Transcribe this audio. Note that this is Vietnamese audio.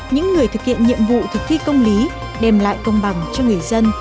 những người thực hiện nhiệm vụ thực thi công lý đem lại công bằng cho người dân